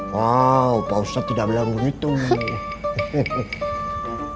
wah bapak ustadz tidak bilang begitu nini